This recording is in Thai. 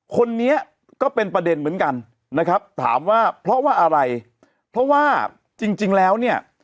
คนนี้ก็เป็นประเด็นเหมือนกันนะครับถามว่าเพราะว่าอะไร